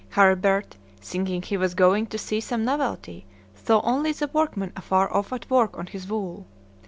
"Charibert, thinking he was going to see some novelty, saw only the workman afar off at work on his wool.